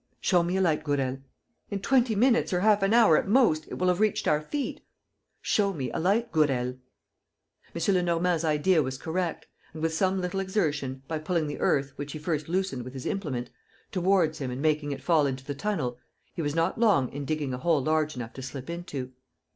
"Show me a light, Gourel." "In twenty minutes, or half an hour at most, it will have reached our feet." "Show me a light, Gourel." M. Lenormand's idea was correct and, with some little exertion, by pulling the earth, which he first loosened with his implement, towards him and making it fall into the tunnel, he was not long in digging a hole large enough to slip into.